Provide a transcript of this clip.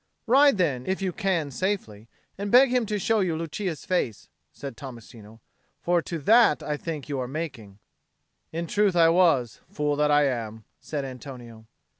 "Ride then, if you can safely, and beg him to show you Lucia's face," said Tommasino. "For to that I think you are making." "In truth I was, fool that I am," said Antonio.